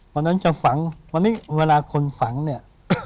วันนั้นจะฝังวันนี้เวลาคนฝังเนี่ย